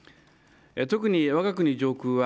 特に、わが国上空は